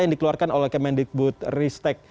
yang dikeluarkan oleh kemendikbud ristek